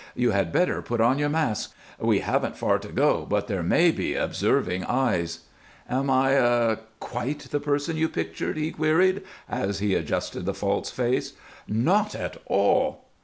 "You had better put on your mask. We haven't far to go, but there may be observing eyes." "Am I er quite the person you pictured?" he queried, as he adjusted the false face. "Not at all."